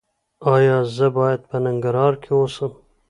ایا زه باید په ننګرهار کې اوسم؟